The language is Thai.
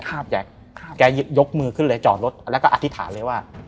แกยกมือขึ้นเลยจอดรถแล้วก็อธิษฐานเลยว่า